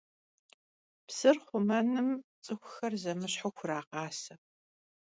Psır xhumenım ts'ıxuxer zemışhu xurağase.